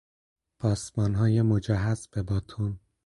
پاسبانهای مجهز به باتون